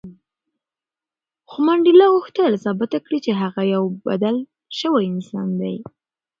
خو منډېلا غوښتل ثابته کړي چې هغه یو بدل شوی انسان دی.